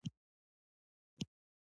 د سیند پر څنډه وړاندې روان ووم.